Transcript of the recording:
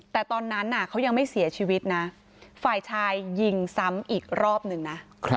แต่ตอนนั้นเขายังไม่เสียชีวิตนะฝ่ายชายยิงซ้ำอีกรอบหนึ่งนะ